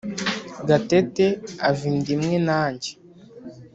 Gatete ava indimwe nanjye